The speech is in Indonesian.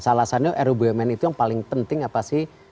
salah satunya ru bumn itu yang paling penting apa sih